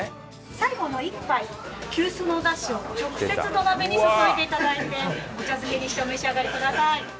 最後の１杯急須のお出汁を直接土鍋に注いで頂いてお茶漬けにしてお召し上がりください。